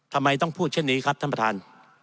ทำไมต้องพูดเช่นนี้ครับท่านประธาน